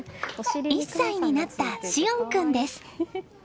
１歳になった紫恩君です。